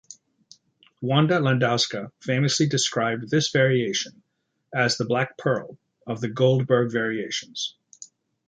Wanda Landowska famously described this variation as "the black pearl" of the "Goldberg Variations".